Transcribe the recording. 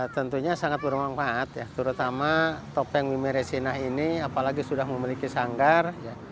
tentunya sangat bermanfaat ya terutama topeng mimiresinah ini apalagi sudah memiliki sanggar